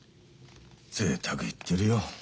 ぜいたく言ってるよ。